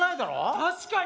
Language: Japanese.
確かに！